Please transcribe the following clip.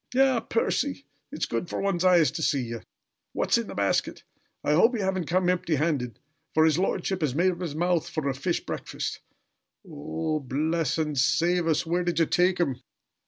"Ah, Percy! It's good for one's eyes to see ye! What's in the basket? I hope ye haven't come empty handed, for his lordship has made up his mouth for a fish breakfast O o oh! Bless and save us! Where did ye take 'em?"